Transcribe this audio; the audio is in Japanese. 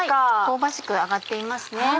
香ばしく揚がっていますね。